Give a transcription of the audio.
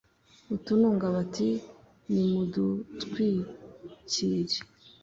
utununga bati «Nimudutwikire !»